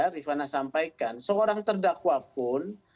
rifana sampaikan seorang terdakwapun